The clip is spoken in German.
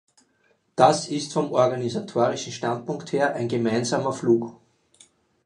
Das ist vom organisatorischen Standpunkt her ein gemeinsamer Flug.